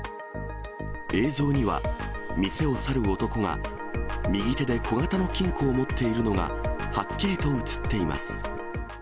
映像には、店を去る男が右手で小型の金庫を持っているのがはっきりと写っています。